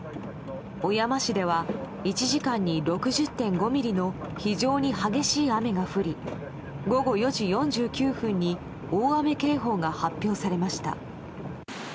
小山市では１時間に６０．５ミリの非常に激しい雨が降り午後４時４９分に大雨警報が発表されました。